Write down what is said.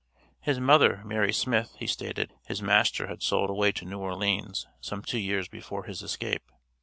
His mother, Mary Smith, he stated, his master had sold away to New Orleans, some two years before his escape.